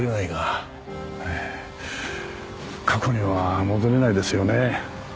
ええ過去には戻れないですよね。